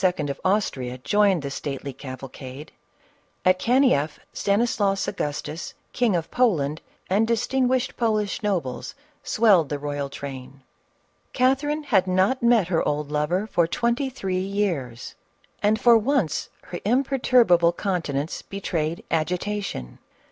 of Austria joined the stately cavalcade; at Kanieff, Stanislaus Agustus, King of Poland, and distinguished Polish nobles, swelled the royal train. Catherine had not met her old lover for twenty three CATHKRIXK OF RUSSIA. 431 years, and for once her imperturbable countenance be trayed agitation.